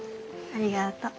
ありがとう。